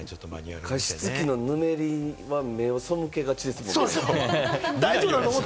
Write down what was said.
加湿器のぬめりは目を背けがちですもんね。